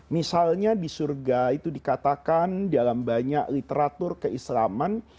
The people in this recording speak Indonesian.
misalnya di surga itu dikatakan dalam banyak literatur keislaman